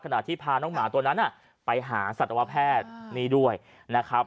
ที่พาน้องหมาตัวนั้นไปหาสัตวแพทย์นี่ด้วยนะครับ